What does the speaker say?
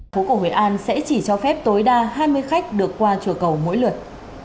phố cổ hội an sẽ chỉ cho phép tối đa hai mươi khách được qua chùa cầu mỗi lượt